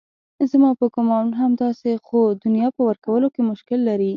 زما په ګومان همداسې ده خو دنیا په ورکولو کې مشکل لري.